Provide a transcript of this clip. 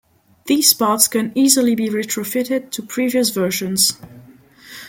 These parts can easily be retrofitted to previous versions.